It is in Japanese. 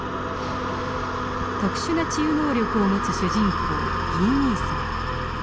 特殊な治癒能力を持つ主人公ギー兄さん。